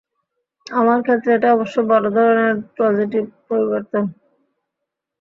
আমার ক্ষেত্রে এটা অবশ্য বড় ধরণের পজিটিভ পরিবর্তন।